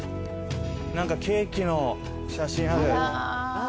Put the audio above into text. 何かケーキの写真ある。